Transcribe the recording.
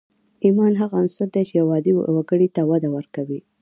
ايمان هغه عنصر دی چې يو عادي وګړي ته وده ورکوي.